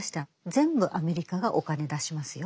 全部アメリカがお金出しますよ。